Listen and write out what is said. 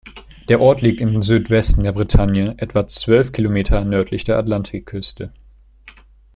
Der Ort liegt im Südwesten der Bretagne etwa zwölf Kilometer nördlich der Atlantikküste.